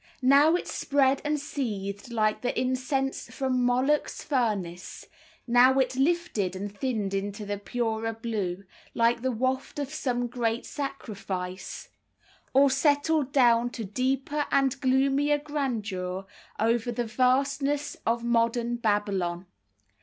Now it spread and seethed like the incense from Moloch's furnace; now it lifted and thinned into the purer blue, like the waft of some great sacrifice, or settled down to deeper and gloomier grandeur over "the vastness of modern Babylon."